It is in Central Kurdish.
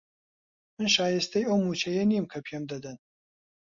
من شایستەی ئەو مووچەیە نیم کە پێم دەدەن.